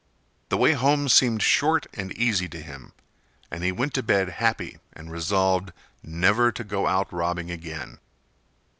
The way home seemed short and easy to him, and he went to bed happy and resolved never to go out robbing again.